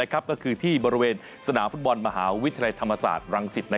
ก็คือที่บริเวณสนามฟุตบอลมหาวิทยาลัยธรรมศาสตร์รังสิต